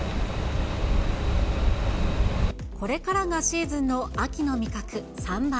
これからがシーズンの秋の味覚、サンマ。